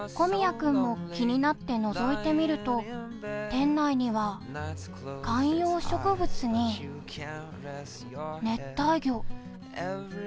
君も気になってのぞいてみると店内には観葉植物に、熱帯魚。